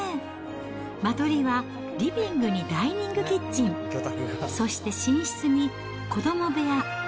間取りはリビングにダイニングキッチン、そして寝室に子ども部屋。